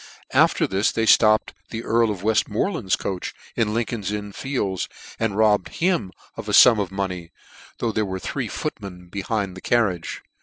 After this they flopped the Earl of Weftmoreland's coach in Lincoln's Inn Fields, and robbed him of a funi of money, though there were three footmen be hind the carriage.